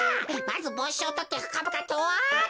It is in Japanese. まずぼうしをとってふかぶかと。